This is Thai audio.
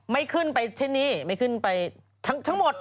ไม่ขึ้นไปเช่นนี้ไม่ขึ้นไปทั้งหมด